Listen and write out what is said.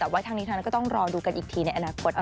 แต่ว่าทั้งนี้ทั้งนั้นก็ต้องรอดูกันอีกทีในอนาคต